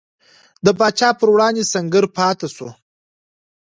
د پاچا پر وړاندې سنګر پاتې شو.